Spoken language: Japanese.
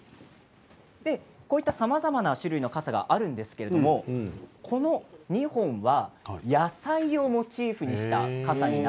さまざまな種類の傘があるんですけれどこちらの２本は野菜をモチーフにした傘です。